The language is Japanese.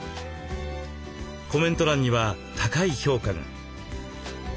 コメント欄には高い評価が。